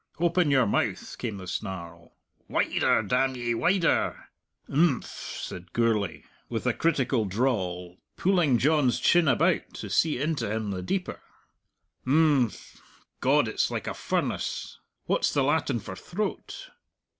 "Open your mouth!" came the snarl "wider, damn ye! wider!" "Im phm!" said Gourlay, with a critical drawl, pulling John's chin about to see into him the deeper. "Im phm! God, it's like a furnace! What's the Latin for throat?"